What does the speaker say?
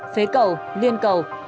phế cầu liên cầu